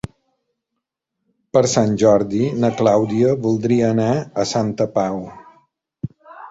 Per Sant Jordi na Clàudia voldria anar a Santa Pau.